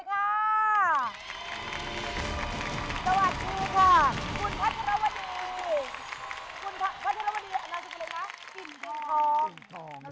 คุณพระธรรมวะดีนาจิตู๋แลนะ